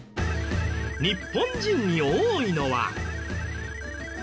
日本人に多いのは。